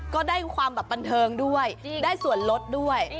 ก็ได้ความแบบบันเทิงด้วยได้ส่วนลดด้วย